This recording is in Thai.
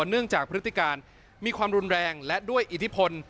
เนื่องจากพฤติการมีความรุนแรงและด้วยอิทธิพล